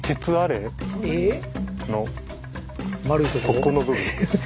この部分。